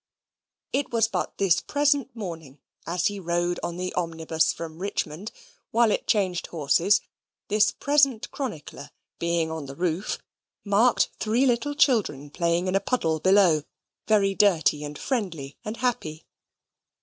It was but this present morning, as he rode on the omnibus from Richmond; while it changed horses, this present chronicler, being on the roof, marked three little children playing in a puddle below, very dirty, and friendly, and happy.